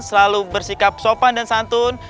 selalu bersikap sopan dan santun